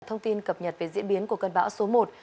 thông tin cập nhật về diễn biến của cơn bão số một